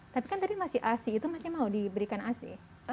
tapi kan tadi masih asi itu masih mau diberikan ac